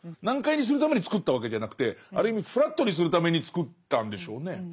難解にするために作ったわけじゃなくてある意味フラットにするために作ったんでしょうね。